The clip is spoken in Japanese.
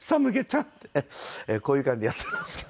こういう感じでやっておりますけど。